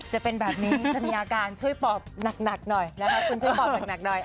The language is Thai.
จะเป็นแบบนี้จะมีอาการช่วยปอบหนักหน่อย